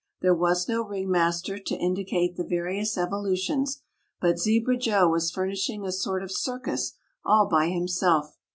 There was no ringmaster to indicate the various evolutions, but Zebra Joe was furnishing a sort of circus all by himself.